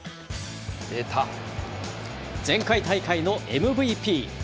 前回大会のＭＶＰ。